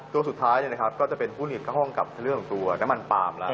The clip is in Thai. ตัวสุดท้ายเนี่ยนะครับก็จะเป็นหุ้นอีกห้องกับเรื่องของตัวน้ำมันปามละ